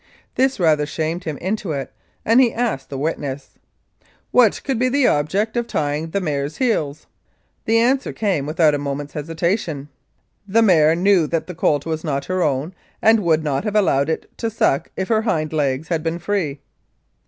This rather shamed him into it, and he asked the witness, "What could be the object of tying the mare's heels?" The answer came without a moment's hesitation. "The mare knew that the colt was not her own and would not have allowed it to suck if her hind legs had been free."